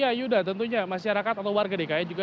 ya yuda tentunya masyarakat atau warga dki juga